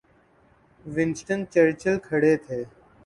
Winston Churchill کھڑے تھے۔